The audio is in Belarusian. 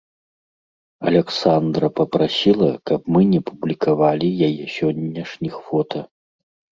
Аляксандра папрасіла, каб мы не публікавалі яе сённяшніх фота.